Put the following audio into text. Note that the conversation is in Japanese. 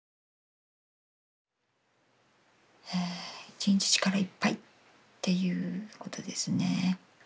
１日力いっぱいっていうことですね。